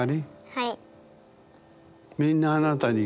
はい。